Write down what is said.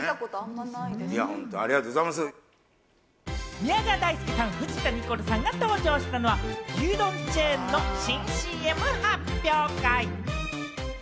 宮川大輔さん、藤田ニコルさんが登場したのは、牛丼チェーンの新ＣＭ発表会。